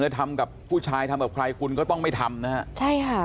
ทำกับผู้ชายทำกับใครคุณก็ต้องไม่ทำนะฮะใช่ค่ะ